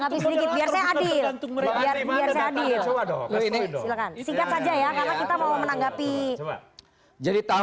berikutnya masyarakat kita lagi gak bahas itu